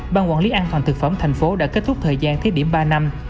ban quản lý an toàn thực phẩm tp hcm đã kết thúc thời gian thí điểm ba năm